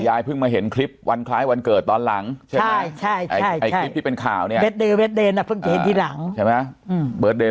ยายเพิ่งมาเห็นคลิปวันคล้ายวันเกิดตอนหลังใช่ไหมคริปที่เป็นข่าวนี้